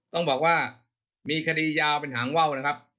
ต้องบอกว่ามีคดียาวเป็นหางว่าวนะครับ